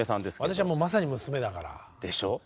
私はもうまさに娘だから。でしょ？